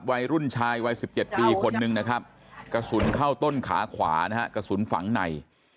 วัยรุ่นชายวัย๑๗ปีคนนึงนะครับกระสุนเข้าต้นขาขวานะฮะกระสุนฝังใน